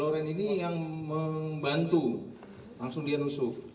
loren ini yang membantu langsung dia menusuk